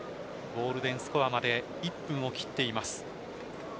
ゴールデンスコアまで１分を切っています。